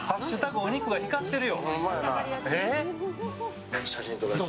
「＃お肉が光ってるよ！」。